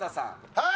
はい！